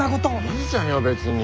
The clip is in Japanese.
いいじゃんよ別に。